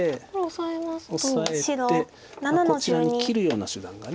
こちらに切るような手段が。